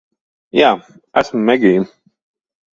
Jā. Esmu Megija.